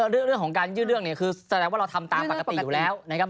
เรื่องของการยื่นเรื่องเนี่ยคือแสดงว่าเราทำตามปกติอยู่แล้วนะครับ